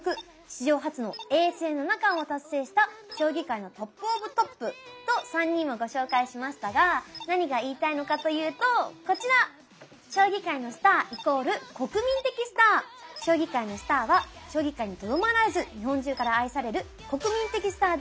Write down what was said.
史上初の永世七冠を達成した将棋界のトップオブトップ。と３人をご紹介しましたが何が言いたいのかというとこちら将棋界のスターは将棋界にとどまらず日本中から愛される国民的スターであるということ。